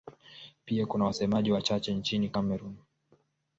Pia kuna wasemaji wachache nchini Kamerun.